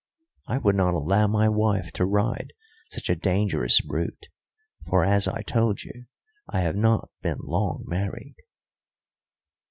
I would not allow my wife to ride such a dangerous brute, for, as I told you, I have not been long married."